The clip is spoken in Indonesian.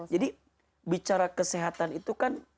jadi bicara kesehatan itu kan